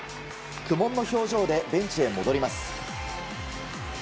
苦悶の表情でベンチに戻ります。